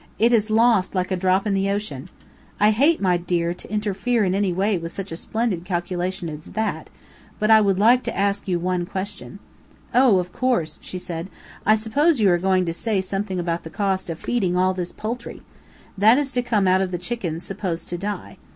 "It is lost like a drop in the ocean. I hate, my dear, to interfere in any way with such a splendid calculation as that, but I would like to ask you one question." "Oh, of course," she said, "I suppose you are going to say something about the cost of feeding all this poultry. That is to come out of the chickens supposed to die.